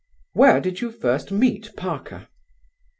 "Where did you first meet Parker?"